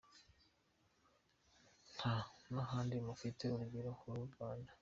Nta n’ahandi mufite urugero nk’urw’u Rwanda.